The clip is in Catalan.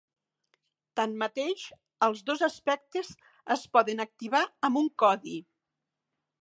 Tanmateix, els dos aspectes es poden activar amb un codi.